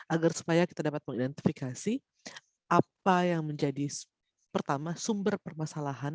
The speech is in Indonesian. agar supaya kita dapat mengidentifikasi apa yang menjadi pertama sumber permasalahan